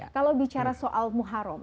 kalau bicara soal muharram